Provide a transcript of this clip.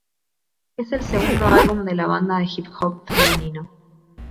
Es el segundo álbum de la banda de hip hop femenino.